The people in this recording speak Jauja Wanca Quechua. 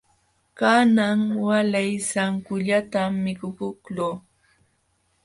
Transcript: Kanan waalay sankullatam mikukuqluu.